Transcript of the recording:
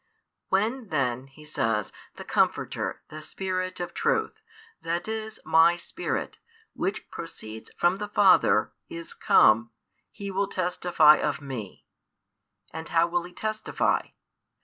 |433 When then, He says, the Comforter, the Spirit of truth, that is My Spirit, Which proceeds from the Father, is come, He will testify of Me. And how will He testify?